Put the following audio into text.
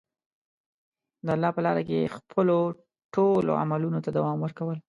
د الله په لاره کې خپلو ټولو عملونو ته دوام ورکول.